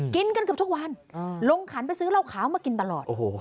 กินกันเกือบทุกวันลงขันไปซื้อเหล้าขาวมากินตลอด